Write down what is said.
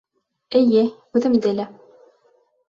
Эйе, үҙемде лә!